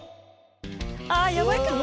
あやばいかも。